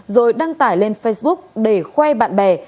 rồi đăng tải lên facebook để khoe bạn bè